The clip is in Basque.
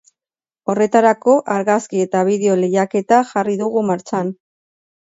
Horretarako, argazki eta bideo lehiaketa jarri dugu martxan.